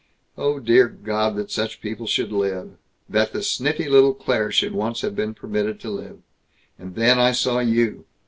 Oh, dear God, that such people should live ... that the sniffy little Claire should once have been permitted to live!... And then I saw you!"